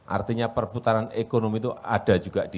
artinya perputaran ekonomi itu ada juga di